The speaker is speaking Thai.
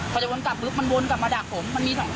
เนี่ยตอนแรกผมขี้มาไง